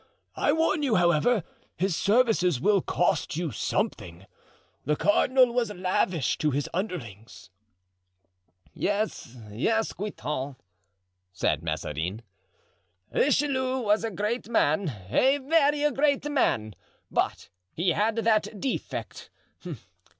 I warn you, however, his services will cost you something. The cardinal was lavish to his underlings." "Yes, yes, Guitant," said Mazarin; "Richelieu was a great man, a very great man, but he had that defect.